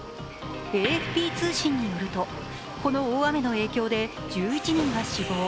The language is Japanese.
ＡＦＰ通信によると、この大雨の影響で１１人が死亡。